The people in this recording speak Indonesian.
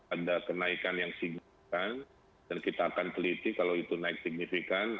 ada kenaikan yang signifikan dan kita akan teliti kalau itu naik signifikan